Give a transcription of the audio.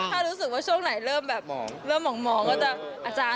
ถ้ารู้สึกว่าช่วงไหนเริ่มแบบเริ่มหมองก็จะอาจารย์